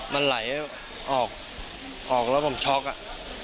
มันไหลออกออกแล้วผมช็อกอ่ะ